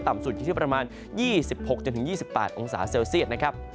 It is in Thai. ต่ำสุดอยู่ที่ประมาณ๒๖๒๘องศาเซลเซียต